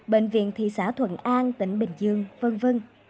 bệnh viện thị xã thuận an tỉnh bình dương v v